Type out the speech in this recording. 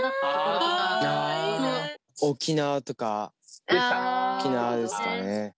沖縄とか沖縄ですかね。